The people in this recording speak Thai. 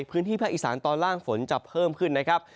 พื้นที่ภาคอีสานตอนล่างฝนจะเพิ่มขึ้นนะครับ